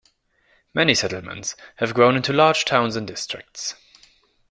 Many settlements have grown into large towns and districts.